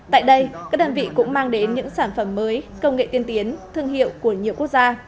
tại đây các đơn vị cũng mang đến những sản phẩm mới công nghệ tiên tiến thương hiệu của nhiều quốc gia